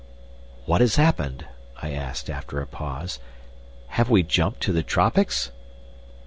_" "What has happened?" I asked after a pause. "Have we jumped to the tropics?"